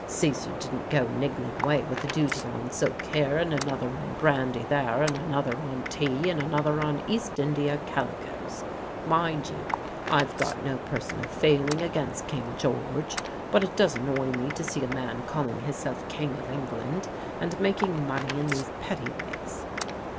Caesar didn't go niggling away with a duty on silk here and another on brandy there and another on tea and another on East Indy calicoes. Mind you, I've got no personal feeling against King George; but it does annoy me to see a man calling hisself King of England and making money in these petty ways."